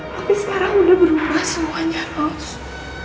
tapi sekarang udah berubah semuanya rose